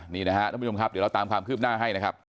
นี่นะครับท่านผู้ชมครับเดี๋ยวเราตามความคืบหน้าให้นะครับ